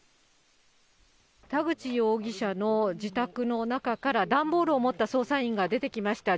田口容疑者の自宅の中から段ボールを持った捜査員が出てきました。